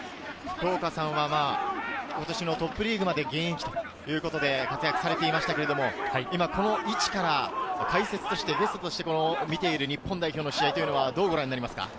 福岡さんは今年のトップリーグまで現役ということで活躍されていましたけれど、今、この位置から解説として見ている日本代表の試合というのはどうご覧になりますか？